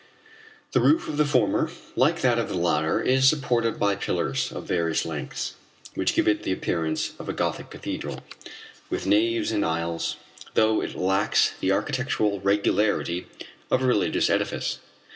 The roof of the former, like that of the latter, is supported by pillars of various lengths, which give it the appearance of a Gothic cathedral, with naves and aisles, though it lacks the architectural regularity of a religious edifice.